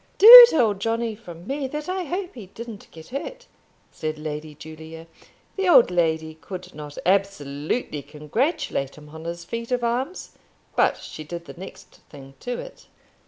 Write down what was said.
"Do tell Johnny from me that I hope he didn't get hurt," said Lady Julia. The old lady could not absolutely congratulate him on his feat of arms, but she did the next thing to it.